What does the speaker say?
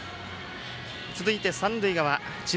続いて三塁側智弁